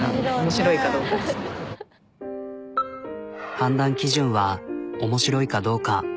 判断基準は面白いかどうか。